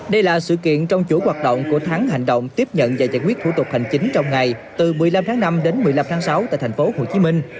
đây là sự kiện trong chủ hoạt động của tháng hành động tiếp nhận và giải quyết thủ tục hành chính trong ngày từ một mươi năm tháng năm đến một mươi năm tháng sáu tại thành phố hồ chí minh